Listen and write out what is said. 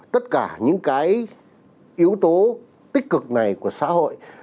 tất cả những cái yếu tố tích cực này của xã hội